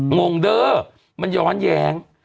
งงเด้อมันย้อนแย้ง